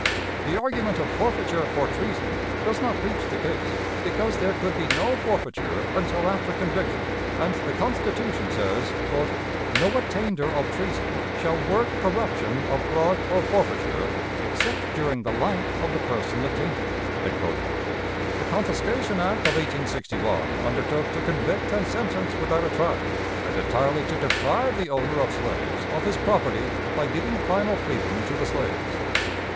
The argument of forfeiture for treason does not reach the case, because there could be no forfeiture until after conviction, and the Constitution says, "No attainder of treason shall work corruption of blood or forfeiture except during the life of the person attainted." The confiscation act of 1861 undertook to convict and sentence without a trial, and entirely to deprive the owner of slaves of his property by giving final freedom to the slaves.